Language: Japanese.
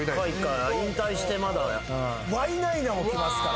ワイナイナも来ますから。